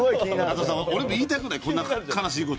あとさ俺も言いたくないこんな悲しい事を。